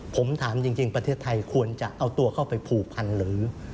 ผมถามจริงประเทศไทยควรจะเอาตัวเข้าไปผูกพันหรือ